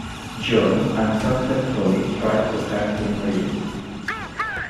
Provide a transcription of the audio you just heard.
Joan unsuccessfully tried to have him released.